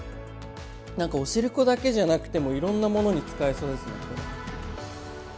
何かおしるこだけじゃなくてもいろんなものに使えそうですねこれ。